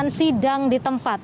yang sedang di tempat